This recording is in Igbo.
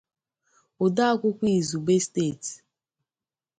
odeakwụkwọ izugbe steeti